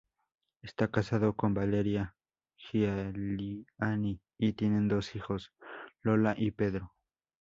Está casado con Valeria Giuliani y tienen dos hijos, Lola y Pedro.